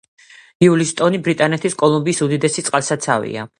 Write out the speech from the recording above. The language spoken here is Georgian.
უილისტონი ბრიტანეთის კოლუმბიის უდიდესი წყალსაცავია.